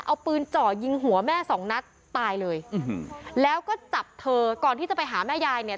เอาปืนเจาะยิงหัวแม่สองนัดตายเลยแล้วก็จับเธอก่อนที่จะไปหาแม่ยายเนี่ย